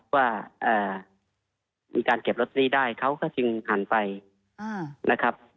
ว่ามีการเก็บลอตเตอรี่ได้เขาก็จึงหันไปนะครับ